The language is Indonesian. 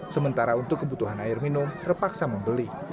sementara untuk kebutuhan air minum terpaksa membeli